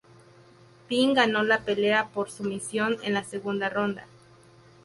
Penn ganó la pelea por sumisión en la segunda ronda.